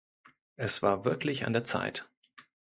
Es war wirklich an der Zeit.